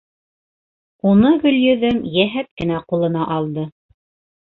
Уны Гөлйөҙөм йәһәт кенә ҡулына алды.